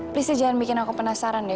plusnya jangan bikin aku penasaran deh